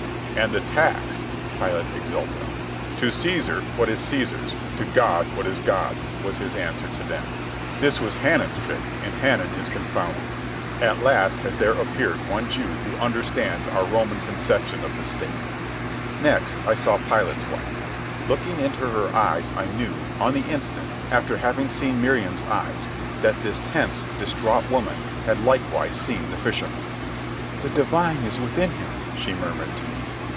"And the tax," Pilate exulted on. "'To Cæsar what is Cæsar's, to God what is God's,' was his answer to them. That was Hanan's trick, and Hanan is confounded. At last has there appeared one Jew who understands our Roman conception of the State." Next I saw Pilate's wife. Looking into her eyes I knew, on the instant, after having seen Miriam's eyes, that this tense, distraught woman had likewise seen the fisherman. "The Divine is within Him," she murmured to me.